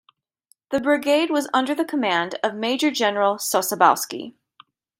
The brigade was under the command of Major General Sosabowski.